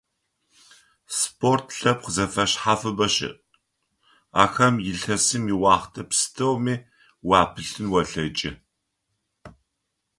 Спорт лъэпкъ зэфэшъхьафыбэ щыӀ, ахэм илъэсым иохътэ пстэуми уапылъын олъэкӀы.